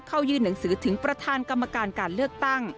ยื่นหนังสือถึงประธานกรรมการการเลือกตั้ง